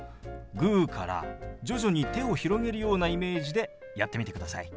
グーから徐々に手を広げるようなイメージでやってみてください。